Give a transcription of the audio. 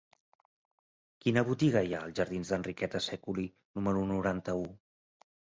Quina botiga hi ha als jardins d'Enriqueta Sèculi número noranta-u?